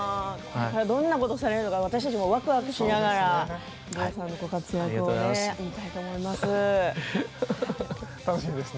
どんなことをされるのか私たちもわくわくしながらご活躍を見ていきたいと思います。